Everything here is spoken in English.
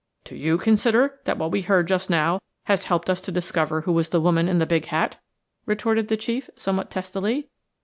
"Do you consider that what we have heard just now has helped us to discover who was the woman in the big hat?" retorted the chief, somewhat testily.